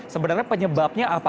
sebenarnya penyebabnya apa